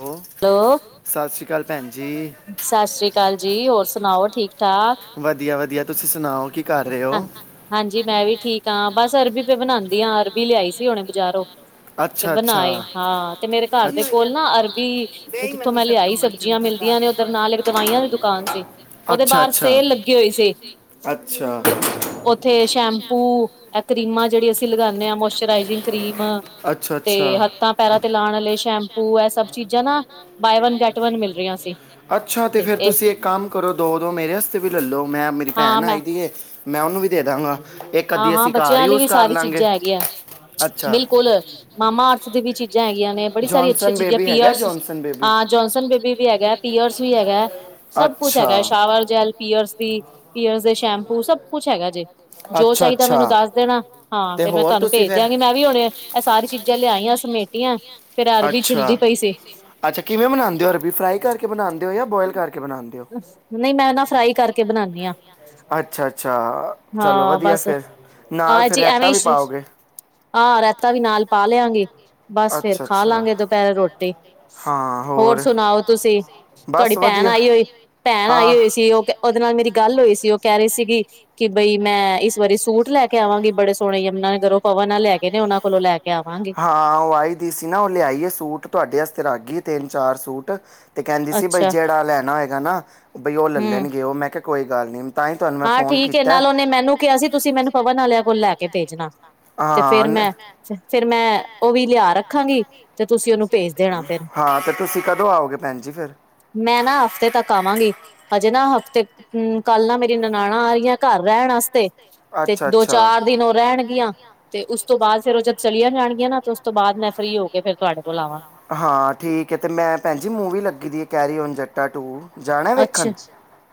ਹਾਂ। ਹੈਲੋ। ਸਤਿ ਸ਼੍ਰੀ ਅਕਾਲ ਭੈਣ ਜੀ। ਸਤਿ ਸ੍ਰੀ ਅਕਾਲ ਜੀ, ਹੋਰ ਸੁਣਾਓ ਠੀਕ ਠਾਕ। ਵਧੀਆ, ਵਧੀਆ, ਤੁਸੀਂ ਸੁਣਾਓ ਕੀ ਕਰ ਰਹੇ ਹਾਂ ਹੋ। ਹਾਂਜੀ ਮੈਂ ਵੀ ਠੀਕ ਹਾਂ, ਬਸ ਅਰਬੀ ਪੇ ਬਣਾਉਦੀ ਹਾਂ, ਅਰਬੀ ਲਿਆਈ ਸੀ ਹੁਣੇ ਬਜ਼ਾਰੋਂ। ਤੇ ਅੱਛਾ ਅੱਛਾ ਬਣਾਏ ਹਾਂ ਤੇ ਮੇਰੇ ਘਰ ਦੇ ਅੱਛ- ਕੋਲ ਨਾ ਅਰਬੀ ਗਈ ਜਿੱਥੋਂ ਮੈਨੂੰ ਮੈਂ ਲਿਆਈ ਸੈਪਟੰਬਰ ਸਬਜ਼ ਚ। ਸਬਜ਼ੀਆਂ ਮਿਲਦੀਆਂ ਨੇ ਉਧਰ ਨਾਲ ਇੱਕ ਦਵਾਈਆਂ ਦੀ ਦੁਕਾਨ ਸੀ ਉਹਦੇ ਅੱਛਾ ਬਾਹਰ ਅੱਛਾ ਸੇਲ ਲੱਗੀ ਹੋਈ ਸੀ। ਅੱਛਾ। ਤੇ ਉੱਥੇ ਸ਼ੈਂਪੂ ਕਰੀਮਾਂ ਜਿਹੜੀ ਅਸੀਂ ਲਗਾਉਦੇ ਹਾਂ ਮੋਇਸਚਰਾਈਜਿੰਗ ਕਰੀਮ ਅੱਛਾ ਅੱਛਾ ਤੇ ਹੱਥਾਂ ਪੈਰਾਂ ਤੇ ਲਾਉਣ ਲਈ ਸ਼ੈਂਪੂ ਹੈ ਸਭ ਚੀਜ਼ਾਂ ਨਾ ਬਾਏ ਵਨ ਗੈਟ ਵਨ ਮਿਲ ਰਹੀਆਂ ਸੀ। ਅੱਛਾ ਤੇ ਫਿਰ ਤੁਸੀਂ ਇੱਕ ਕੰਮ ਕਰੋ ਦੋ ਦੋ ਮੇਰੇ ਵਸਤੇ ਵੀ ਲੈ ਲਓ ਮੈਂ ਮੇਰੀ ਹਾਂ ਭੈਣ ਮੈਂ ਆਈ ਦੀ ਏ। ਮੈਂ ਓਨੂੰ ਵੀ ਦੇ ਦਾਂਗਾ। ਇੱਕ ਹਾਂ ਅੱਧੀ ਹਾਂ, ਅਸੀਂ ਘਰ ਬੱਚਿਆਂ ਲਈ ਯੂਜ਼ ਵੀ ਕਰ ਸਾਰੀ ਲਾਂਗੇ ਚੀਜ਼ਾਂ ਹੈਗੀਐਂ। ਅੱਛਾ ਬਿਲਕੁਲ, ਮਾਮਾ ਅਰਥ ਦੀ ਵੀ ਚੀਜ਼ਾਂ ਹੈਗੀਆਂ ਨੇ। ਬੜੀ ਸਾਰੀ ਅੱਛੀਆਂ ਜੌਨਸਨ ਚੀਜ਼ਾਂ ਬੇਬੀ ਹੈਗਾ ਪੀਅਰਸ ਜੌਨਸਨ ਬੇਬੀ ਹਾਂ, ਜੋਨਸਨ ਬੇਬੀ ਵੀ ਹੈਗੈ। ਪੀਅਰਸ ਵੀ ਹੈਗੈ, ਸਭ ਕੁਛ ਅੱਛਾ ਹੈਗੈ। ਸ਼ਾਵਰ ਜੈਲ, ਪੀਅਰਸ ਵੀ, ਪੀਅਰਸ ਦੇ ਸ਼ੈਂਪੂ ਸਭ ਕੁਛ ਹੈਗਾ ਜੇ, ਜੋ ਅੱਛਾ ਚਾਈਦੈ ਅੱਛਾ ਮੈਨੂੰ ਦੱਸ ਦੇਣਾ। ਹਾਂ, ਤੇ ਫੇਰ ਮੈਂ ਹੋਰ ਤੁਆਨੂੰ ਤੁਸੀਂ ਭੇਜ ਫਿਰ ਦਿਆਂਗੀ, ਮੈਂ ਵੀ ਹੁਣੇ ਐਹ ਸਾਰੀ ਚੀਜ਼ਾਂ ਲਿਆਈ ਆਂ, ਸਮੇਟੀਐ। ਫੇਰ ਐ ਅਰਬੀ ਅੱਛਾ ਛਿੱਲਦੀ ਪਈ ਸੀ। ਅੱਛਾ, ਕਿਵੇਂ ਬਨਾਂਦੇ ਔ ਅਰਬੀ, ਫਰਾਈ ਕਰਕ ਕੇ ਬਣਾਦੇ ਓ ਯਾ ਬੋਇਲ ਕਰਕੇ ਬਣਾਂਦੇ ਓ? ਨਹੀਂ ਮੈਂ ਨਾ ਫਰਾਈ ਕਰਕੇ ਬਣਾਨੀ ਆ ਅੱਛਾ ਅੱਛਾ, ਚਲੋ ਹਾਂ ਵਧੀਐ ਬਸ ਫੇਰ। ਨਾਲ ਫੇਰ ਰੈਤਾਂ ਵੀ ਪਾਓਗੇ? ਆਂ ਰੈ ਤਾ ਵੀ ਨਾਲ ਪਾ ਲਿਆਂਗੀ। ਬਸ ਫੇਰ ਅੱਛਾ ਖਾ ਅੱਛਾ ਲਾਂਗੇ ਦੁਪੈਰੇ ਰੋਟੀ। ਹੋਰ ਸੁਣਾਓ? ਤੁਸੀਂ ਤੁਐਡੀ ਬਸ ਭੈਣ ਵਧੀਆ ਆਈ ਹੋਈ ਭੈਣ ਆਈ ਹੋਈ ਸ ਕੀ ਓਹ ਕੈ ਓਹਦੇ ਨਾਲ ਮੇਰੀ ਗੱਲ ਹੋਈ ਸੀ ਓਹ ਕੈਹ ਰੇ ਸੀਗੀ ਕਿ ਬਈ ਮੈਂ ਇਸ ਵਾਰੀ ਸੂਟ ਲੈ ਕੇ ਆਵਾਂਗੀ ਬੜੇ ਸੋਣੇ ਯਮਨਾ ਨਗਰੋ। ਪਵਨ ਆਲੈ ਹੈਗੇ ਨੇ ਓਹਨਾਂ ਕੋਲੋਂ ਲੈ ਕੇ ਆਵਾਂਗੇ। ਆਵਾਂਗੀ। ਉਹ ਆਈ ਦੀ ਸੀ ਨਾ ਓਹ ਲਿਆਈ ਏ ਸੂਟ ਤੁਐਡੇ ਅਸਤੇ ਰੱਖਗੀ ਏ ਤਿੰਨ-ਚਾਰ ਸੂਟ। ਤੇ ਕੈੰਦੀ ਸੀ ਬਈ ਅੱਛਾ ਜੇੜਾ ਲੈਣਾ ਹੋਏਗਾ ਨਾ ਬਈ ਓਹ ਲਲ ਹਮ ਲਣਗੇ ਓਹ, ਮੈਂ ਕਿਆ ਕੋਈ ਗੱਲ ਨੀ। ਤਾਂਈ ਤੁਆਨੂੰ ਮੈਂ ਫੋਨ ਕੀਤੈ। ਕਿਆ ਸੀ ਤੁਸੀਂ ਮੈਨੂੰ ਪਵਨ ਆਲਿਆਂ ਕੋਲ ਲੈ ਕੇ ਭੇਜਣਾ। ਤੇ ਹਾਂ। ਫੇਰ ਮੈਂ- ਫੇ ਫੇਰ ਮੈਂ ਓਹ ਵੀ ਲਿਆ ਰੱਖਾਂਗੀ, ਤੇ ਤੁਸੀਂ ਓਨੂੰ ਹਾਂ, ਤੇ ਤੁਸੀਂ ਕਦੋਂ ਆਓਗੇ ਭੈਣ ਜੀ ਫੇਰ? ਮੈਂ ਨਾ ਹਫ਼ਤੇ ਤੱਕ ਆਵਾਂਗੀ। ਹਜੇ ਨਾ ਹਫ਼ਤੇ ਉਂ ਕੱਲ ਨਾ ਮੇਰੀ ਨਨਾਣਾਂ ਆ ਰੀਆਂ ਘਰ ਰੈਣ ਆਸਤੇ। ਤੇ ਦੋ-ਚਾਰ ਦਿਨ ਰੈਣਗੀਆਂ ਤੇ ਉਸ ਤੋਂ ਬਾਦ ਫੇਰ ਓਹ ਜਦ ਚਲੀਆਂ ਜਾਣਗੀਆਂ ਨਾ ਤੇ ਉਸ ਤੋਂ ਬਾਦ ਮੈਂ ਫਰੀ ਹੋ ਕੇ ਫੇਰ ਤੁਐਡੇ ਕੋਲ ਆਵਾਂਗ ਹਾਂ, ਠੀਕ ਏ ਤੇ ਮੈਂ ਭੈਣ ਜੀ ਮੂਵੀ ਲੱਗੀ ਦੀ ਏ, ਕੈਰੀ ਓਨ ਜੱਟਾ ਟੂ। ਜਾਣਾ ਵੇਖਣ? ਅੱਛਾ। ਹਾਂ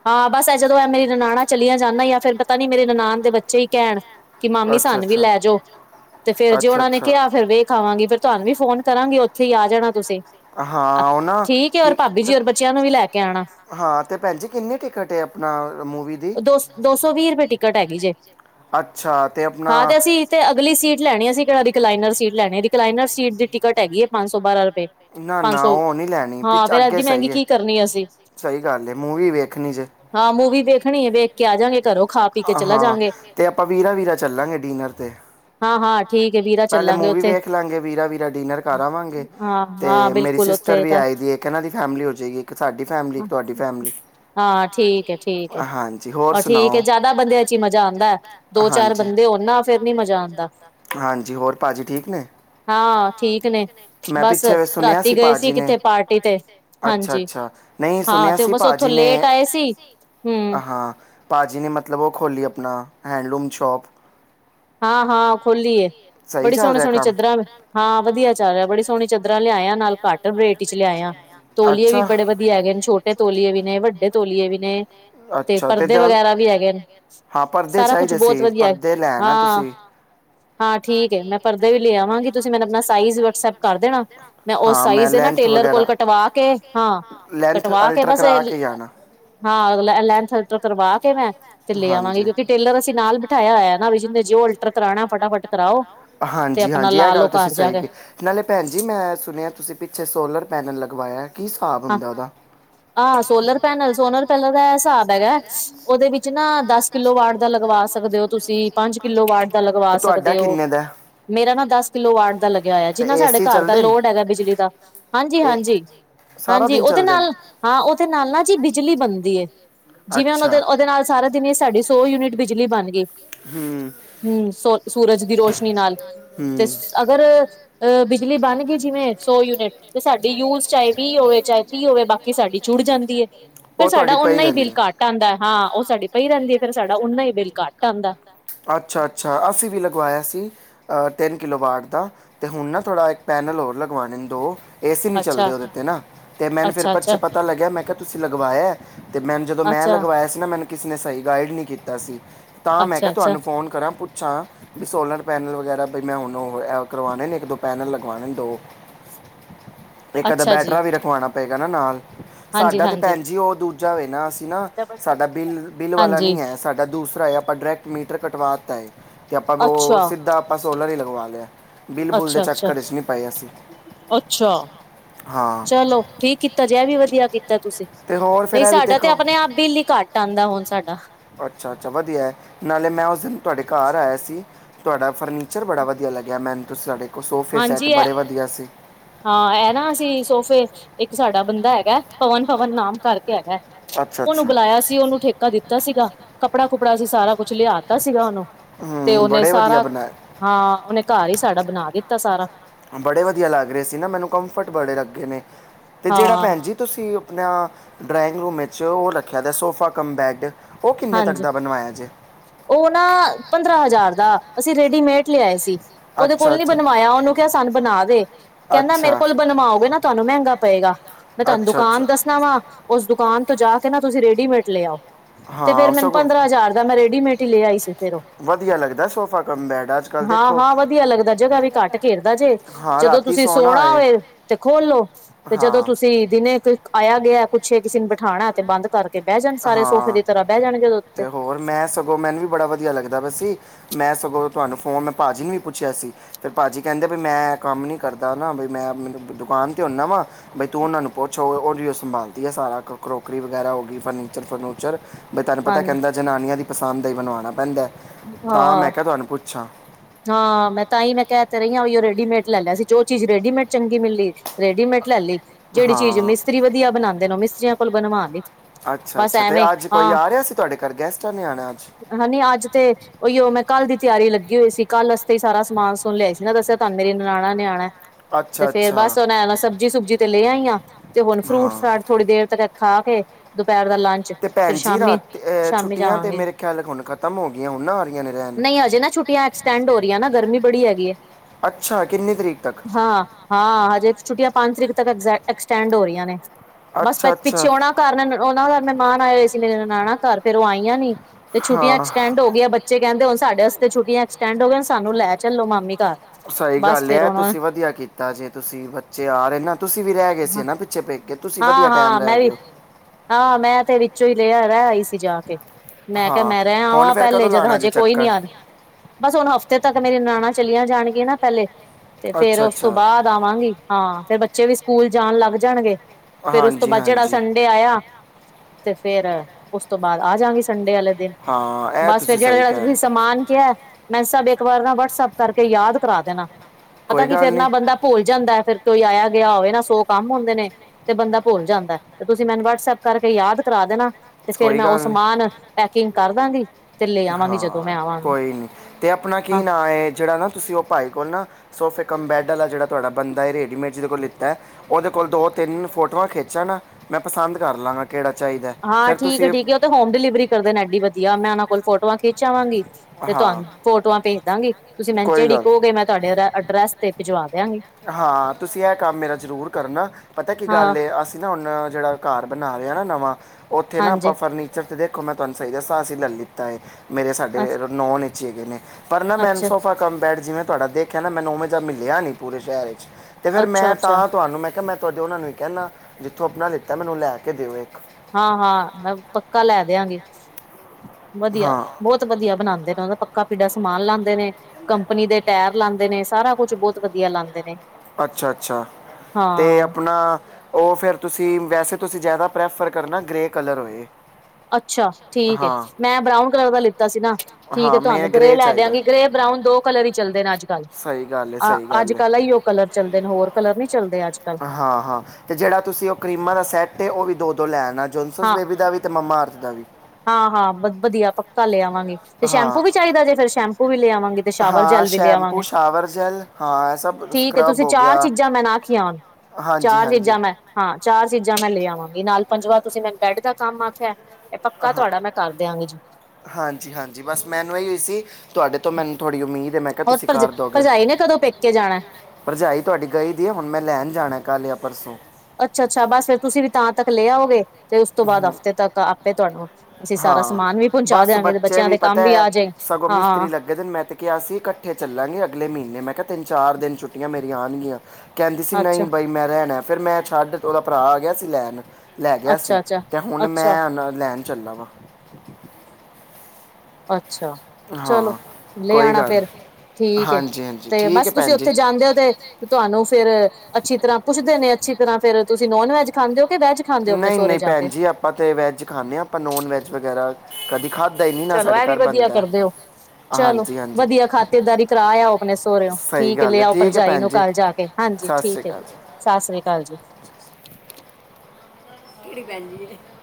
ਹਾਂ, ਬਸ ਐਹ ਜਦੋਂ ਐਹ ਮੇਰੀ ਨਨਾਨਾਂ ਚਲੀਆਂ ਜਾਂਣ ਯਾ ਫੇਰ ਪਤਾ ਨੀ ਮੇਰੇ ਨਨਾਨ ਦੇ ਬੱਚੇ ਈ ਕੈਣ ਕਿ ਮਾਮੀ ਸਾਨੂੰ ਵੀ ਲੈ ਜੋ। ਤੇ ਫੇਰ ਜਾਓ ਜੇ ਓਨਾਂ ਨੇ ਕਿਆ ਫੇਰ ਵੇਖ ਆਵਾਂਗੀ। ਫੇਰ ਤੁਵਾਨ ਵੀ ਫੋਨ ਕਰਾਂਗੀ ਓਥੇ ਈ ਆ ਜਾਣਾ ਤੁਸੀਂ। ਅ, ਹਾਂ ਉਹ ਨਾ ਠੀਕ ਏ ਕਿ ਔਰ ਭਾਬੀ ਜੀ ਔਰ ਬੱਚਿਆਂ ਨੂੰ ਵੀ ਲੈ ਕੇ ਆਣਾ। ਹਾਂ, ਤੇ ਭੈਣ ਜੀ ਕਿੰਨੀ ਟਿਕਟ ਏ, ਅਪਣਾ ਮੂਵੀ ਦੀ, ਦੋ ਦੋ ਸੌ ਵੀਹ ਰੁਪਏ ਟਿਕਟ ਹੈਗੀ ਜੇ ਅੱਛਾ ਤੇ ਅਪਣਾ ਹਾਂ ਤੇ ਅਸੀਂ ਤੇ ਅਗਲੀ ਸੀਟ ਲੈਣੀ ਏ ਅਸੀਂ ਕੇੜਾ ਰੀਕਲਾਈਨਰ ਸੀਟ ਲੈਣੀ ਏ, ਰੀਕਲਾਈਨਰ ਸੀਟ ਦੀ ਟਿਕਟ ਹੈਗੀ ਹਏ ਪੰਜ ਸੌ ਬਾਰਾਂ ਰ ਨਾ ਨਾ, ਓਹ ਨੀ ਲੈਣੀ ਪਿਛ ਅਗੇ ਐਡੀ ਮਹਿੰਗੀ ਸਹੀ ਏ। ਕੀ ਕਰਨੀ ਅਸੀਂ ਸਹੀ ਗੱਲ ਏ, ਮੂਵੀ ਵੇਖਣੀ ਜੇ। ਹਾਂ, ਮੂਵੀ ਦੇਖਣੀ ਏ, ਵੇਖ ਕੇ ਆ ਜਾਗੇ ਘਰੋਂ ਖਾ ਪੀ ਕੇ ਅ ਚਲਾ ਹਾਂ, ਜਾਗੇ ਤੇ ਆਪਾਂ ਵੀਰਾ ਵੀਰਾ ਚੱਲਾਂਗੇ ਡਿਨਰ ਤੇ। ਹਾਂ ਹਾਂ ਠੀਕ ਹੈ ਵੀਰਾ ਪੈਲੇ ਚੱਲਾਂਗੇ ਮੂਵੀ ਉੱਥੇ ਵੇਖ ਲਾਂਗੇ, ਵੀਰਾ ਵੀਰਾ ਡਿਨਰ ਕਰ ਆਵਾਂਗੇ। ਹਾਂ ਹਾਂ ਤੇ ਮੇਰੀ ਬਿਲਕੁਲ ਸਿਸ ਟਰ ਉੱਥੇ ਵੀ ਤਾਂ ਆਈ ਦੀ ਏ, ਇਕ ਇਹਨਾਂ ਦੀ ਫੈਮਿਲੀ ਹੋ ਜੇਗੀ, ਇੱਕ ਸਾਡੀ ਫੈਮਿਲੀ, ਇਕ ਤੁਐਡੀ ਫੈਮਿਲੀ। ਹਾਂ, ਠੀਕ ਏ ਠੀਕ ਏ। ਜੀ, ਹੋਰ ਸੁਣਾਓ? ਆਉਂਦਾ ਦੋ ਚਾਰ ਹਾਂਜੀ, ਬੰਦੇ ਹੋਣ ਨਾ ਫੇਰ ਨੀ ਮਜ਼ਾ ਆਉਂਦਾ ਹਾਂਜੀ ਹੋਰ ਭਾਜੀ ਠੀਕ ਨੇ? ਹਾਂ ਠੀਕ ਨੇ ਮੈਂ ਬਸ ਪਿੱਛੇ ਵ ਸੁਣਿਆ ਰਾਤੀ ਸੀ ਗਏ ਭਾਜੀ ਨੇ ਕਿੱਥੇ ਪਾਰਟੀ ਤੇ ਅੱਛਾ ਹਾਂਜੀ ਅੱਛਾ, ਨਹੀਂ ਹਾਂ ਸੁਣਿਆ ਤੇ ਸੀ ਬਸ ਉੱਥੋਂ ਭਾਜੀ ਲੇਟ ਆਏ ਸੀ ਹਮ ਨੇ--ਅ ਹਾਂ। ਭਾਅ ਜੀ ਨੇ ਮਤਲਬ, ਉਹ ਖੋਲ ਲਈ ਆਪਣਾ ਹੈਂਡਲੂਮ ਸ਼ੋਪ ਹਾਂ- ਹਾਂ-ਹਾਂ ਹਾਂ ਏ ਖੋਲੀ ਐ, ਸਹੀ ਬੜੀ ਚੱਲ ਰਿਹਾ ਸੋਹਣੀ-ਸੋਹਣੀ ਕੰਮ, ਚਾਦਰਾਂ ਹਾਂ ਹਾ ਵਧੀਆ ਚੱਲ ਵਧੀਆਂ ਚਲ, ਬੜੀ ਰਿਹਾ ਸੋਹਣੀ ਬੜਾ ਸੋਹਣਾ ਅਸੀਂ ਚਾਦਰਾਂ ਚਦਰਾ ਲਿਆਇਆ ਲਿਆਏ ਆ, ਨਾਲ ਕਾ ਘੱਟ ਰੇਟ ਚ, ਲਿਆਏ ਆ ਏ ਬੜੇ, ਵਧੀਆ ਹੈਗੇ ਨੇ, ਛੋਟੇ ਤੋਲੀਏ ਵੀ ਨੇ, ਵੱਡੇ ਤੋਲੀਏ ਵੀ ਨੇ ਤੇ ਪਰਦੇ, ਵਗ਼ੈਰਾ ਵੀ ਹੈਗੇ ਨੇ, ਸਾਰਾ ਕੁਛ ਬਹੁਤ ਵਧੀਆ ਹੈ ਨਾ ਤੁਸੀਂ ਹਾਂ ਠੀਕ ਏ, ਮੈਂ ਪਰਦੇ ਵੀ ਲੈ ਆਵਾਂਗੀ, ਤੁਸੀਂ ਮੈਨੂੰ ਆਪਣਾ ਸਾਈਜ਼, ਵਟਸਐਪ ਕਰ ਦੇਣਾ ਮੈਂ ਉਸ ਹਾਂ ਸਾਈਜ਼ ਦੇ ਨਾ, ਲੈਂਥ ਟੇਲਰ ਵਗੈਰਾ ਕੋਲ ਕਟਵਾ ਕੇ, ਹਾਂ ਲੈਂਥ ਕਟਵਾ ਕੇ ਅਲਟਰ ਬਸ ਕਰਾ ਕੇ ਜਾਣਾ ਹਾਂ ਲੈਂਥ ਉਤਰਵਾ ਕੇ, ਮੈਂ ਤੇ ਲੈ ਹਾਂਜੀ ਆਵਾਂਗੀ, ਕਿਉਂਕਿ, ਟੇਲਰ ਅਸੀਂ ਨਾਲ, ਬਿਠਾਇਆ ਹੋਇਆ ਨਾ ਵੀ ਜਿੰਨੇ ਜੋ, ਅਲਟਰ ਕਰਾਣਾ ਫਟਾ-ਫਟ ਕਰਾਓ ਤੇ ਹਾਂਜੀ- ਆਪਣਾ ਹਾਂਜੀ ਐ ਲਾ ਲਓ ਗੱਲ ਤੁਸੀਂ ਘਰ ਜਾ ਸਹੀ ਕੇ ਕਿ ਨਾਲੇ ਭੈਣ ਜੀ, ਮੈਂ ਸੁਣਿਆ ਤੁਸੀਂ ਪਿੱਛੇ ਸੋਲਰ ਪੈਨਲ ਲਗਵਾਇਆ, ਕੀ ਹਿਸਾਬ ਹਾਂ ਹੁੰਦਾ ਉਹਦਾ? ਆਹ, ਸੋਲਰ ਪੈਨਲ, ਸੋਲਰ ਪੈਨਲ ਦਾ ਹਿਸਾਬ ਹੈਗਾ, ਉਹਦੇ ਵਿੱਚ ਨਾ ਦਸ ਕਿਲੋ ਵਾਟ ਦਾ ਲਗਵਾ ਸਕਦੇ ਹੋ, ਤੁਸੀਂ ਪੰਜ ਕਿਲੋ ਵਾਟ, ਦਾ ਲਗਵਾ ਸਕਦੇ ਹੋ ਮੇਰਾ ਨਾ, ਦਸ ਕਿੱਲੋ ਵਾਡ ਦਾ ਲੱਗਿਆ ਹੋਇਆ, ਤੇ ਜਿੰਨਾ ਸਾਡੇ ਏਸੀ ਘਰ ਦਾ, ਚੱਲਦੇ ਨੇ ਲੋਡ ਹੈਗਾ ਬਿਜਲੀ ਦਾ, ਹਾਂਜੀ ਇਹ -ਹਾਂਜੀ ਸਾਰਾ ਹਾਂਜੀ, ਦਿਨ ਉਹਦੇ ਚੱਲਦੇ ਨੇ ਨਾਲ ਹਾਂ, ਉਹਦੇ ਨਾਲ ਨਾ ਜੀ ਬਿਜਲੀ ਬਣਦੀ ਏ, ਹੈ ਜਿਵੇਂ ਉਹ- ਅੱਛਾ ਉਹ ਉਹਦੇ ਨਾਲ ਸਾਰੇ ਜਿਵੇਂ ਸਾਡੀ, ਸੌ ਯੂਨਿਟ ਬਿਜਲੀ ਬਣ ਗਈ ਹਮ ਹਮ, ਸੋ ਸੂਰਜ ਦੀ ਰੋਸ਼ਨੀ ਨਾਲ, ਤੇ ਅਗਰ ਅ ਬਿਜਲੀ, ਬਣ ਗਈ ਜਿਵੇਂ, ਸੌ ਯੂਨਿਟ ਤੇ ਸਾਡੀ ਯੂਜ ਚਾਹੇ ਵੀਹ ਹੋਵੇ, ਚਾਹੇ ਤੀਹ ਹੋਵੇ, ਬਾਕੀ ਸਾਡੀ ਜੁੜ ਜਾਂਦੀ ਏ, ਫੇਰ ਉਹ ਸਾਡਾ ਤੁਹਾਡੀ ਪਈ ਓਨਾ ਹੀ ਬਿੱਲ ਰਹਿੰਦੀ ਘੱਟ ਘੱਟ ਆਉਂਦਾ ਹਾਂ, ਉਹ ਸਾਡੀ ਪਈ ਰਹਦੀ ਫਿਰ ਸਾਡਾ ਉਹਨਾ ਹੀ ਬਿੱਲ, ਘੱਟ ਆਉਂਦਾ ਅੱਛਾ- ਅੱਛਾ ਅਸੀਂ ਵੀ, ਲਗਵਾਇਆ ਸੀ। ਤਿੰਨ ਕਿੱਲੋ ਵਾਟ ਦਾ, ਤੇ ਹੁਣ ਨਾ ਥੋੜ੍ਹਾ ਇੱਕ ਪੈਨਲ, ਹੋਰ, ਲਗਵਾਉਣੇ ਨੇ ਦੋ ਏਸੀ ਨਹੀਂ ਚੱਲਦੇ, ਅੱਛਾ, ਉਹਦੇ ਤੇ ਨਾ, ਤੇ ਮੈਨੂੰ ਫਿਰ ਅੱਛਾ, ਪਛ ਅੱਛਾ, ਪ ਪਤਾ ਲੱਗਿਆ ਮੈਂ ਕਿਹਾ, ਤੁਸੀਂ ਲਗਵਾਇਆ ਤੇ ਮੈਨੂੰ ਜਦੋਂ ਮੈਂ, ਅੱਛਾ, ਲਗਵਾਇਆ ਸੀ ਨਾ ਮੈਨੂੰ ਕਿਸੇ ਨੇ ਸਹੀ, ਗਾਈਡ ਨਹੀਂ ਕੀਤਾ ਸੀ। ਤਾਂ ਮੈਂ ਅੱਛਾ, ਕਿਹਾ, ਅੱਛਾ, ਤੁਹਾਨੂੰ ਫ਼ੋਨ ਕਰਾਂ ਪੁ ਪੁੱਛਾਂ, ਵੀ ਸੋਲਰ ਪੈਨਲ ਵਗੈਰਾ ਵੀ ਮੈਂ ਹੁਣ, ਕਰਵਾਉਣੇ ਨੇ, ਇੱਕ -ਦੋ ਪੈਨਲ ਲਗਵਾਉਣੇ ਨੇ ਦੋ ਇੱਕ -ਅੱਧਾ ਅੱਛਾ ਜੀ ਬੈਟਰਾ ਵੀ, ਰਖਵਾਉਣਾ ਪਏਗਾ, ਨਾ ਨਾਲ ਹਾਂਜੀ, ਸਾਡਾ ਤੇ ਹਾਂਜੀ। ਭੈਣ ਜੀ, ਉਹ ਦੂਜਾ ਵੇ ਨਾ ਅਸੀਂ ਨਾ, ਸਾਡਾ ਬਿੱਲ- ਬਿੱਲ ਵਾਲਾ ਹਾਂਜੀ, ਨਈ ਹੈ ਸਾਡਾ ਦੂਸਰਾ ਏ, ਆਪਾਂ ਡਾਇਰੈਕਟ ਮੀਟਰ, ਕਟਵਾ ਤਾ ਏ ਕਿ ਆਪਾਂ ਉਹ, ਅੱਛਾ, ਸਿੱਧਾ ਆਪਾਂ ਸੋਲਰ ਹੀ ਲਗਵਾ ਲਿਆ, ਬਿਲ -ਬੁਲ ਦੇ ਅੱਛਾ, ਅੱਛਾ, ਚਕਰ ਚ ਨਹੀਂ ਪਏ ਅਸੀਂ ਅੱਛਾ, ਹਾਂ ਚਲੋ ਠੀਕ ਕੀਤਾ ਜੇ, ਐ ਵੀ ਵਧੀਆ ਕੀਤਾ ਤੁਸੀਂ ਤੇ ਹੋਰ ਫਿਰ ਨਹੀਂ ਇਹ ਵੀ ਸਾਡਾ ਤੇ, ਦੇਖੋ ਮੇਰਾ ਆਪਣੇ ਆਪ ਬਿੱਲ ਹੀ ਘੱਟ, ਆਦਾ ਹੁਣ ਸਾਡਾ ਅੱਛਾ -ਅੱਛਾ ਵਧੀਆ ਏ, ਨਾਲੇ ਮੈਂ ਉਸ ਦਿਨ ਤੁਹਾਡੇ ਘਰ ਆਇਆ ਸੀ, ਤੁਹਾਡਾ ਫਰਨੀ ਪਿਕਚਰ ਬੜਾ, ਵਧੀਆ ਲੱਗਿਆ ਮੈਨੂੰ, ਤੁਹਾਡੇ ਕੋਲ ਸੋਫੇ -ਸੈਟ ਹਾਂਜੀ ਇਹ ਬੜੇ ਵਧੀਆ ਸੀ। ਹਾਂ, ਇਹ ਨਾ ਅਸੀਂ ਸੋਫੇ, ਇੱਕ ਸਾਡਾ ਬੰਦਾ ਹੈਗਾ ਪਵਨ -ਪਵਨ ਨਾਮ ਕਰਕੇ ਹੈਗਾ ਅੱਛਾ ਉਹਨੂੰ ਅੱਛਾ ਬੁਲਾਇਆ ਸੀ। ਉਹ ਨੂੰ ਠੇਕਾ ਦਿੱਤਾ ਸੀਗਾ, ਕੱਪੜਾ -ਕੁਪੜਾ ਸੀ ਸਾਰਾ ਕੁਛ ਚ ਲਿਆਤਾ ਸੀਗਾ ਉਹਨੂੰ, ਉਹਨਾਂ ਤੇ ਹਮ ਉਹਨੇ ਬੜੇ ਵਧੀਆ ਸਾਰਾ ਬਣਾਏ ਹਾਂ, ਉਹਨੇ ਘਰ ਹੀ, ਸਾਡਾ ਬਣਾ ਦਿੱਤਾ ਸਾਰਾ ਬੜੇ ਵਧੀਆ, ਲੱਗ ਰਹੇ ਸੀ। ਨਾ ਮੈਨੂੰ ਕੰਫਰਟ ਬੜੇ ਲੱਗੇ ਨੇ, ਅਤੇ ਜਿਹੜਾ ਹਾਂ ਭੈਣ ਜੀ ਤੁਸੀਂ ਆਪਣਾ, ਡਰਾਇੰਗ ਰੂਮ ਵਿੱਚ ਉਹ ਰੱਖਿਆ ਦਾ, ਸੋਫਾ ਕੰਮਬੈਕਡ ਉਹ ਕਿੰਨੇ, ਤੱਕ ਹਾਂਜੀ ਦਾ ਬਣਵਾਇਆ ਜੇ? ਉਹ ਨਾ, ਪੰਦਰਾਂ ਹਜ਼ਾਰ ਦਾ, ਅਸੀਂ ਰੇਡੀਮੇਡ ਲਿਆਏ ਸੀ। ਉਹਦੇ ਅੱਛਾ ਕੋਲ ਨਹੀ ਅੱਛਾ ਬਣਵਾਇਆ, ਉਹਨੂੰ ਕਿਹਾ, ਸਾਨੂੰ ਬਣਾ ਦੇ ਕਹਿੰਦਾ ਮੇਰੇ ਅੱਛਾ ਕੋਲ ਬਣਵਾਓਗੇ ਨਾ ਤੁਹਾਨੂੰ ਮਹਿੰਗਾ ਪਏਗਾ। ਮੈਂ ਅੱਛਾ ਤੁਆਨੂੰ ਅੱਛਾ ਦੁਕਾਨ ਦੱਸਣਾ ਵਾ ਉਸ ਦੁਕਾਨ ਤੋਂ ਜਾ ਕੇ ਨਾ ਤੁਸੀਂ ਰੇਡੀਮੇਡ ਲਿਆ ਆਓ। ਆਓ ਤੇ ਫੇਰ ਹਾਂ ਮੈਨੂੰ ਸਗੋਂ ਪੰਦਰਾਂ ਹਜ਼ਾਰ ਦਾ ਮੈਂ ਰੇਡੀਮੇਡ ਹੀ ਲਿਆ ਸੀ ਫੇਰ। ਫਿਰ। ਵਧੀਆ ਲੱਗਦਾ ਸੋਫਾ ਕਮ ਬੈਡ ਅੱਜ ਕੱਲ੍ਹ ਹਾਂ ਦੇਖੋ ਹਾਂ ਵਧੀਆ ਲੱਗਦਾ ਜਗ੍ਹਾ ਵੀ ਘੱਟ ਘੇਰਦਾ ਜੇ ਹਾਂ ਜਦੋਂ ਰਾਤੀ ਤੁਸੀਂ ਸੋਣਾ ਹੋਏ ਹੋਵੇ ਤੇ ਖੋਲੋ ਤੇ ਜਦੋਂ ਹਾਂ ਤੁਸੀਂ ਦਿਨੇ ਕ ਆਇਆ ਗਿਆ ਕੁੱਛੇ ਕਿਸੇ ਨੇ ਬਿਠਾਣਾ ਤੇ ਬੰਦ ਕਰਕੇ ਬਹਿ ਜਾਣ ਸਾਰੇ ਸੋਫੇ ਹਾਂ ਦੀ ਤਰ੍ਹਾਂ ਬਹਿ ਜਾਣਗੇ ਉਹਦੇ ਉੱਤੇ। ਤੇ ਹੋਰ ਮੈਂ ਸਗੋਂ ਮੈਨੂੰ ਵੀ ਬੜਾ ਵਧੀਆ ਲੱਗਦਾ ਪਿਆ ਸੀ ਮੈਂ ਸਗੋਂ ਤੁਆਨੂੰ ਫ਼ੋਨ ਮੈਂ ਭਾਅ ਜੀ ਨੂੰ ਵੀ ਪੁੱਛਿਆ ਸੀ। ਫੇਰ ਭਾਜੀ ਕਹਿੰਦੇ ਵੀ ਮੈਂ ਐ ਕੰਮ ਨੀ ਕਰਦਾ ਨਾ ਬਾਈ ਮੈਂ ਮਤਲਬ ਦੁਕਾਨ ਤੇ ਹੁੰਨਾ ਵਾ। ਬਈ ਤੂੰ ਉਹਨਾਂ ਨੂੰ ਪੁੱਛੋ ਉਹ-ਉਹ ਸੰਭਾਲਦੀ ਆ ਸਾਰਾ ਕ ਕਰੋਕਰੀ ਵਗੈਰਾ ਹੋ ਗਈ ਫਰਨੀ ਫਰਨੀਚਰ, ਵੀ ਤੁਹਾਨੂੰ ਪਤਾ ਹਾਂਜੀ ਕਹਿੰਦਾ ਜਨਾਨੀਆਂ ਦੀ ਪਸੰਦ ਦਾ ਹੀ ਬਣਵਾਉਣਾ ਪੈਂਦਾ। ਤਾਂ ਮੈਂ ਹਾਂ ਕਿਹਾ ਤੁਹਾਨੂੰ ਪੁੱਛਾਂ ਹਾਂ ਮੈਂ ਤਾਂ ਹੀ ਮੈਂ ਕਹਿ ਤੇ ਰਹੀ ਹਾਂ ਉਹ ਰੈਡੀਮੇਡ ਲੈ ਲਿਆ ਸੀ ਜੋ ਚੀਜ਼ ਰੈਡੀਮੇਡ ਚੰਗੀ ਮਿਲੀ ਰੈਡੀਮੇਡ ਲੈ ਲਈ, ਜਿਹੜੀ ਚੀਜ਼ ਹਾਂ ਮਿਸਤਰੀ ਵਧੀਆ ਬਣਾਉਂਦੇ ਨੇ ਮਿਸਤਰੀਆਂ ਕੋਲ ਬਣਵਾ ਲਈ। ਅੱਛਾ ਬਸ ਅੱਛਾ ਤੇ ਐਵੇਂ ਅੱਜ ਕੋਈ ਹਾਂ ਆ ਰਿਹਾ ਸੀ ਤੁਹਾਡੇ ਘਰ ਗੈਸਟਾਂ ਨੇ ਆਣਾ ਅੱਜ? ਨਈ-ਨਈ ਅੱਜ ਤੇ ਉਹੀ ਓ ਮੈਂ ਕੱਲ ਦੀ ਤਿਆਰੀ ਲੱਗੀ ਹੋਈ ਸੀ ਕੱਲ ਰਸਤੇ ਹ ਸਾਰਾ ਸਮਾਨ ਸੁਣ ਲਿਆ ਸੀ ਨਾ ਦੱਸਿਆ ਤੁਹਾਨ ਮੇਰੀ ਨਿਆਣਾ ਨੇ ਆਣਾ ਐ। ਤੇ ਅੱਛਾ ਫੇਰ ਅੱਛਾ ਬਸ ਉਹ ਮੈ ਸਬਜ਼ੀ ਸੁਬਜੀ ਤੇ ਲੈ ਆਈ ਆ, ਤੇ ਹੁਣ ਹਾਂ ਫਰੂਟ-ਫਰਾਟ ਥੋੜੀ ਦੇਰ ਤੱਕ ਐ ਖਾ ਕੇ ਦੁਪਹਿਰ ਦਾ ਲੰਚ ਤੇ ਫਿਰ ਭੈਣ ਜੀ ਸ਼ਾਮੀ ਰਾਤ, ਅਅ ਸ਼ਾਮੀ ਛੁੱਟੀਆਂ ਤੇ ਜਾਵਾਂਗੇ ਮੇਰੇ ਖਿਆਲ ਹੁਣ ਖਤਮ ਹੋ ਗਈਆਂ ਹੁਣ ਨਾ ਹੋਣੀ? ਨਈ ਹਜੇ ਨਾ ਛੁੱਟੀਆਂ ਐਕਸਟੈਂਡ ਹੋ ਰਹੀਆਂ ਨਾ ਗਰਮੀ ਬੜੀ ਹੈਗੀ ਏ। ਅੱਛਾ ਕਿੰਨੀ ਤਰੀਕ ਤੱਕ ਹਾਂ ਹਾਂ ਹਜੇ ਛੁੱਟੀਆਂ ਪੰਜ ਤਰੀਕ ਤੱਕ ਐਗਜ-ਐਕਸਟੈਂਡ ਹੋ ਰਹੀਆਂ ਨੇ, ਬਸ ਪ ਅੱਛਾ ਪਿੱਛੇ ਅੱਛਾ ਆਉਣਾ ਘਰ ਉਨਾਂ-ਉਹਨਾ ਦੇ ਮਹਿਮਾਂਣ ਆਏ ਹੋਏ ਸੀ ਮੇਰੇ ਨਨਾਣ ਘਰ ਫੇਰ ਉਹ ਆਈਆਂ ਨੀ। ਤੇ ਛੁੱਟੀਆਂ ਹਾਂ ਚ ਅਸਟੈਡ ਹੋ ਗਿਆ ਬੱਚੇ ਕਹਿੰਦੇ ਸਾਡੇ ਵਾਸਤੇ ਛੱਟੀਆਂ ਐਕਸਟੈਂਡ ਹੋਈਆਂ ਸਾਨੂੰ ਲੈ ਚੱਲੋ ਮਾਮੀ ਘਰ ਸਹੀ ਬਸ ਗੱਲ ਫੇਰ ਐ ਉਹਨਾਂ ਤੁਸੀਂ ਵਧੀਆ ਕੀਤਾ ਜੇ ਤੁਸੀਂ ਬੱਚੇ ਆ ਰਹੇ ਨਾ ਤੁਸੀਂ ਵੀ ਰਹਿ ਗਏ ਸੀ ਹਾਂ ਨਾ ਪਿੱਛੇ ਪੇ। ਕਿ ਤੁਸੀਂ ਵਧੀਆ ਟੈਮ ਹਾਂ ਰਹਿ ਮੈਂ ਵੀ ਗੇ ਓ। ਹਾਂ ਮੈਂ ਤੇ ਵਿੱਚੋਂ ਹੀ ਲਿਆ ਰਹਿ ਆਈ ਸੀ ਜਾ ਕੇ। ਮੈਂ ਕਿਹਾ ਹਾਂ ਮੈਂ ਰਹਿ ਹੁਣ ਆਵਾਂ ਫਿਰ ਪਹਿਲੇ ਕਦੋਂ ਜਦੋਂ ਲਾਣਾ ਜੇ ਹਜੇ ਕੋਈ ਚੱਕਰ ਨੀ ਅਦ ਬਸ ਹੁਣ ਹਫ਼ਤੇ ਤੱਕ ਮੇਰੀ ਨਨਾਣਾ ਚਲੀਆਂ ਜਾਣਗੀਆਂ ਨਾ ਪਹਿਲੇ ਤੇ ਫੇਰ ਅੱਛਾ ਉਸ ਅੱਛਾ ਤੋਂ ਬਾਅਦ ਲਾਵਾਗੀ ਹਾਂ ਫੇਰ ਬੱਚੇ ਵੀ ਸਕੂਲ ਜਾਣ ਲੱਗ ਜਾਣਗੇ, ਫੇਰ ਉਸ ਤੋਂ ਹਾਂਜੀ ਬਾਅਦ ਜਿਹੜਾ ਹਾਂਜੀ ਸੰਡੇ ਡੇ ਆਇਆ, ਤੇ ਫੇਰ ਉਸ ਤੋਂ ਬਾਅਦ ਆ ਜਾਗੀ ਸੰਡੇ ਵਾਲੇ ਦਿਨ ਹਾਂ ਇਹ ਬਸ ਫਿਰ ਤੁਸੀਂ ਸਹੀ ਜਿਹੜਾ-ਜਿਹੜਾ ਕਹਿ ਤੁਸੀਂ ਸਮਾਨ ਕੇਆ ਮੈਂ ਸਭ ਇੱਕ ਵਾਰ ਨਾ ਵਟਸਐਪ ਕਰਕੇ ਯਾਦ ਕਰਾ ਦੇਣਾ। ਪਤਾ ਕੋਈ ਕੀ ਗੱਲ ਫੇਰ ਨਹੀਂ ਨਾ ਬੰਦਾ ਭੁੱਲ ਜਾਂਦਾ ਫੇਰ ਕੋਈ ਆਇਆ ਗਿਆ ਹੋਵੇ ਨਾ ਸੌ ਕੰਮ ਹੁੰਦੇ ਨੇ ਤੇ ਬੰਦਾ ਭੁੱਲ ਜਾਂਦਾ। ਤੇ ਤੁਸੀਂ ਮੈਨੂੰ ਵਟਸਐਪ ਕਰਕੇ ਯਾਦ ਕਰਾ ਦੇਣਾ, ਤੇ ਫੇਰ ਕੋਈ ਮੈਂ ਉਹ ਗੱਲ ਨਹੀਂ ਸਮਾਨ ਪੈਕਿੰਗ ਕਰ ਦਾਂਗੀ। ਤੇ ਲੈ ਆਵਾਂਗੀ ਜਦੋਂ ਮੈਂ ਆਵਾਂਗੀ। ਕੀ ਤੇ ਆਪਣਾ ਹਾਂ ਕੀ ਨਾਂ ਏ ਜਿਹੜਾ ਨਾ ਤੁਸੀਂ ਉਹ ਭਾਈ ਕੋਲ ਨਾ ਸੋਫੇ ਕੰਮ ਬੈਡ ਵਾਲਾ ਜਿਹੜਾ ਤੁਹਾਡਾ ਬੰਦਾ ਏ ਰੇਡੀਮੇਡ ਜਿਦੇ ਕੋਲ ਲਿੱਤਾ ਐ ਉਹਦੇ ਕੋਲ ਦੋ-ਤਿੰਨ ਫੋਟੋਆਂ ਖਿੱਚਣ ਨਾ ਮੈਂ ਪਸੰਦ ਕਰ ਲਾਂਗਾ। ਕਿਹੜਾ ਚਾਈਦਾ ਐ। ਹਾਂ ਠੀਕ ਏ-ਠੀਕ ਏ ਉਹ ਤੇ ਹੋਮ ਡਿਲੀਵਰੀ ਕਰਦੇ ਨੇ ਐਡੀ ਵਧੀਆ ਮੈਂ ਉਹਨਾਂ ਕੋਲ ਫੋਟੋਆਂ ਖਿੱਚ ਆਵਾਂਗੀ ਤੇ ਹਾਂ ਤੁਹਾਨੂੰ ਫੋਟੋਆਂ ਭੇਜ ਦਾਂਗੀ ਤੁਸੀਂ ਮੈਂ ਕੋਈ ਜਿਹੜੀ ਗੱਲ ਕਹੋਗੇ ਮੈਂ ਤੁਹਾਡੇ ਐਡ-ਅਡਰੈਸ ਤੇ ਭਜਵਾ ਦਿਆਂਗੀ। ਹਾਂ ਤੁਸੀਂ ਇਹ ਕੰਮ ਮੇਰਾ ਜ਼ਰੂਰ ਕਰਨਾ ਪਤਾ ਕੀ ਹਾਂ ਗੱਲ ਐ ਅਸੀ ਆਪਾ ਨਾ ਹੁਣ ਜਿਹੜਾ ਘਰ ਬਣਾ ਰਿਹਾ ਨਾ ਨਵਾਂ ਉੱਥੇ ਨਾ ਆਪਾਂ ਹਾਂਜੀ ਫਰਨੀ ਤੇ ਦੇਖੋ ਮੈਂ ਤੁਹਾਨੂੰ ਸਹੀ ਦੱਸ ਅਸੀਂ ਲੈ ਲਿੱਤਾ ਏ ਮੇਰੇ ਸਾਡੇ ਅੱਛਾ ਨੌ ਵਿੱਚ ਈ ਹੈਗੇ ਨੇ ਪਰ ਨਾ ਮੈਂਨੂੰ ਅੱਛਾ ਸੋਫਾ ਕੰਮਪੈਡ ਜਿਵੇਂ ਤੁਹਾਡਾ ਦੇਖਿਆ ਨਾ ਮੈਨੂੰ ਉਵੇਂ ਜਾਹਾ ਮਿਲਿਆ ਨਈ ਪੂਰੇ ਸ਼ਹਿਰ 'ਚ ਤੇ ਫਿਰ ਅੱਛਾ ਮੈਂ ਅੱਛਾ ਤਾਂ ਤੁਹਾਨੂੰ ਮੈਂ ਕਿਹਾ ਮੈਂ ਤੁਹਾਡੇ ਉਹਨਾਂ ਨੂੰ ਵੀ ਕਹਿੰਦਾ ਜਿੱਥੋਂ ਆਪਣਾ ਲਿੱਤਾ ਮੈਨੂੰ ਲੈ ਕੇ ਦਿਓ ਇੱਕ ਹਾਂ-ਹਾਂ ਮੈਂ ਪੱਕਾ ਲੈ ਦਿਆਂਗੀ, ਵਧੀਆ ਹਾਂ ਬਹੁ ਹੁਤ ਵਧੀਆ ਬਣਾਉਂਦੇ ਨੇ ਉਹਦਾ ਪੱਕਾ ਪੀਡਾ ਸਮਾਨ ਲਾਉਦੇ ਨੇ ਕੰਪਨੀ ਦੇ ਟਾਇਰ ਲਾਉਂਦੇ ਨੇ ਸਾਰਾ ਕੁੱਛ ਬਹੁ ਤ ਵਧੀਆ ਲਾਦੇ ਨੇ। ਅੱਛਾ-ਅੱਛਾ, ਤੇ ਹਾਂ ਆਪਣਾ ਓ ਫਿਰ ਤੁਸੀਂ ਵੈਸੇ ਤੁਸੀਂ ਜ਼ਿਆਦਾ ਪ੍ਰੈਫਰ ਕਰਨਾ ਗ੍ਰੇਅ ਕਲਰ ਹੋਏ। ਅੱਛਾ ਠੀਕ ਏ, ਹਾਂ ਮੈਂ ਬਰਾਊਨ ਕਲਰ ਦਾ ਲੀਤਾ ਸੀ ਨਾ ਠੀਕ ਹੈ ਹਾਂ ਮੈਂ ਤੁਹਾਨੂੰ ਗ੍ਰੇ ਲੈ ਚਾਹੀਦਾ ਦਿਆਂਗੀ ਗ੍ਰੇ ਬਰਾਊਨ ਦੋ ਕਲਰ ਹੀ ਚੱਲਦੇ ਨੇ ਅੱਜ ਕੱਲ, ਕੱਲ੍ਹ। ਸਹੀ ਗੱਲ ਹੈ ਅ ਸਹੀ ਅੱਜ ਗੱਲ ਹੈ ਕੱਲ ਆ ਹੀ ਏਈਓ ਕਲਰ ਚੱਲਦੇ ਨੇ ਹੋਰ ਕਲਰ ਨਹੀਂ ਚੱਲਦੇ ਅੱਜ ਕੱਲ। ਹਾਂ ਹਾਂ ਤੇ ਜਿਹੜਾ ਤੁਸੀਂ ਉਹ ਕਰੀਮਾਂ ਦਾ ਸੈੱਟ ਐ, ਉਹ ਵੀ ਦੋ ਦੋ ਲੈਣਾ ਜੋਨਸਨ ਹਾਂ ਬੇਬੀ ਦਾ ਵੀ ਤੇ ਮਮਾਅਰਥ ਦਾ ਵੀ। ਹਾਂ ਹਾਂ ਵਧ ਵਧੀਆ ਪੱਕਾ ਲੇ ਆਵਾਂਗੇ ਤੇ ਸ਼ੈਂਪੂ ਹਾਂ ਵੀ ਚਾਹੀਦਾ ਜੇ ਫੇਰ ਸ਼ੈਂਪੂ ਵੀ ਲਏ ਆਵਾਂਗੇ। ਤੇ ਸ਼ਾਵਰ ਹਾਂ ਜੈਲ ਵੀ ਲੈ ਸ਼ੈਪੂ ਆਵਾਂਗੇ ਸ਼ਾਵਰ ਜੈਲ ਹਾਂ ਏਹ ਸਭ ਠੀਕ ਹੈ ਸਕ੍ਰਬ ਤੁਸੀਂ ਹੋ ਚਾਰ ਗਿਆ ਹਾਂਜੀ ਹਾਂ ਜ਼ਾਂ ਮੈਂ, ਹਾਂ ਚਾਰ ਚੀਜ਼ਾਂ ਮੈਂ ਲਏ ਆਵਾਂਗੀ, ਨਾਲ ਪੰਜਵਾਂ ਤੁਸੀਂ ਮੈਂ ਬੈੱਡ ਦਾ ਕੰਮ ਆਖਿਆ। ਇਹ ਪੱਕਾ ਹਾਂ ਤੁਹਾਡਾ ਮੈਂ ਕਰ ਦਿਆਂਗੀ ਜੀ। ਹਾਂਜੀ ਹਾਂਜੀ ਬਸ ਮੈਨੂੰ ਇਹ ਸੀ ਤੁਹਾਡੇ ਤੋਂ ਮੈਨੂੰ ਥੋੜੀ ਉਮੀਦ ਹੈ ਮੈਂ ਕਿਹਾ ਹੋਰ ਤੁਸੀਂ ਭਰ ਕਰ ਦੋਗੇ ਭਰਜਾਈ ਨੇ ਕਦੋਂ ਪੇਕੇ ਜਾਣਾ? ਭਰਜਾਈ ਤੁਹਾਡੀ ਗਈ ਦੀ ਐ, ਹੁਣ ਮੈਂ ਲੈਣ ਜਾਣਾ ਕੱਲ੍ਹ ਯ ਪਰਸੋਂ। ਅੱਛਾ ਅੱਛਾ ਬਸ ਫਰ ਤੁਸੀਂ ਵੀ ਤਾਂ ਤੱਕ ਲੈ ਆਓਗੇ ਤੇ ਉਸ ਤੋਂ ਬਾਅਦ ਹਫ਼ਤੇ ਤੱਕ ਆਪੇ ਤੁਹਾਨੂੰ। ਅਸੀਂ ਸਾਰਾ ਹਾਂ ਸਮਾਨ ਵੀ ਪਹੁੰਚਾ ਬਸ ਦਿਆਂਗੇ ਤੇ ਬੱਚੇ ਬੱਚਿਆਂ ਦੇ ਕੰਮ ਵੀ ਆ ਜਾਏ, ਹਾਂ ਗਲੇ ਦਿਨ ਮੈਂ ਤੇ ਕਿਹਾ ਸੀ ਇਕੱਠੇ ਚੱਲਾਂਗੇ ਅਗਲੇ ਮਹੀਨੇ ਮੈਂ ਕਿਹਾ ਤਿੰਨ ਚਾਰ ਦਿਨ ਛੁੱੀਆਂ ਮੇਰੀਆਂ ਆਣਗੀਆਂ। ਕਹਿੰਦੀ ਸੀ ਅੱਛਾ ਨਹੀਂ ਭਈ ਮੈਂ ਰੈਣਾ, ਫਿਰ ਮੈਂ ਛੱਡ ਉਹਦਾ ਭਰਾ ਆ ਗਿਆ ਸੀ ਲੈਣ। ਲੈ ਗਿਆ ਸੀ ਅੱਛਾ ਅੱਛਾ ਤੇ ਹੁਣ ਮੈਂ ਅੱਛਾ ਹਨ ਲੈਣ ਚੱਲਾ ਵਾਂ। ਅੱਛਾ। ਚਲੋ ਹਾਂ ਲੈ ਕੋਈ ਆਣਾ ਗੱਲ ਫੇਿਰ ਨਹੀਂ। ਠੀਕ ਏ, ਹਾਂਜੀ ਹਾਂਜੀ ਤੇ ਠੀਕ ਹੈ ਬਸ ਤੁਸੀਂ ਭੈਣ ਜੀ ਉੱਥੇ ਜਾਂਦੇ ਹੋ ਤੇ ਤੁਹਾਨੂੰ ਫੇਰ ਅੱਛੀ ਤਰ੍ਹਾਂ ਪੁੱਛਦੇ ਨੇ ਅੱਛੀ ਤਰ੍ਹਾਂ ਫੇਰ ਤੁਸੀਂ ਨੋਨ ਵੈਜ ਖਾਂਦੇ ਹੋ ਕਿ ਵੈਜ ਖਾਂਦੇ ਓ, ਆਪਣੇ ਸਹਰੇ ਜਾ ਕੇ। ਪਾਂ ਤੇ ਵੈੱਜ ਖਾਂਨੇ ਆ, ਆਪਾਂ ਨੋਨ ਵੈੱਜ ਵਗੈਰਾ ਕਦੀ ਖਾ ਚਲੋ ਇਹ ਵੀ ਵਧੀਆ ਕਰਦੇ ਹੋ ਚਲੋ ਹਾਂਜੀ ਹਾਂਜੀ ਵਧੀਆ ਖਾਤੇਰ ਦਾਰੀ ਕਰਾ ਆਓ। ਆਪਣੇ ਸੋਰੇਓ, ਸਹੀ ਠੀਕ ਗੱਲ ਲੇ ਹੈ ਆਓ ਠੀਕ ਹੈ ਭਰਜਾਈ ਭੈਣ ਨੂੰ ਜੀ ਕੱਲ ਜਾ ਕੇ, ਹਾਂਜੀ ਸਤਿ ਸ਼੍ਰੀ ਠੀਕ ਐ ਅਕਾਲ ਜੀ, ਸਸਰੀ ਕਾਲ ਜੀ। ਕਿਹੜੀ ਭੈਣਜੀ ਏ।